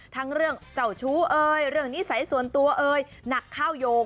ทั้งเรื่องเจ้าชู้เรื่องนิสัยส่วนตัวหนักข้าวยก